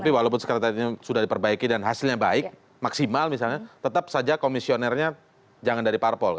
tapi walaupun sekretariatnya sudah diperbaiki dan hasilnya baik maksimal misalnya tetap saja komisionernya jangan dari parpol